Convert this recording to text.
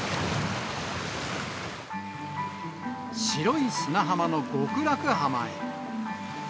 白い砂浜の極楽浜へ。